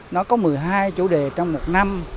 nó có một mươi hai chủ đề trong một năm